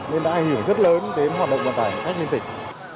nên đã hiểu rất lớn đến hoạt động bàn tải khách liên tịch